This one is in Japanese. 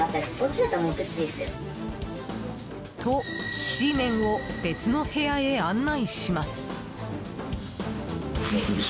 と、Ｇメンを別の部屋へ案内します。